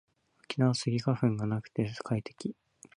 沖縄はスギ花粉がなくて快適